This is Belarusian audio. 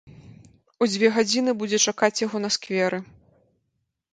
У дзве гадзіны будзе чакаць яго на скверы.